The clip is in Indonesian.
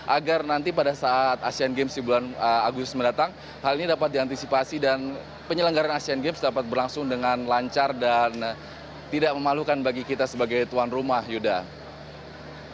agar nanti pada saat asean games di bulan agustus mendatang hal ini dapat diantisipasi dan penyelenggaran asean games dapat berlangsung dengan lancar dan tidak memalukan bagi kita sebagai tuan rumah yuda